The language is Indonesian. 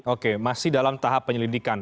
oke masih dalam tahap penyelidikan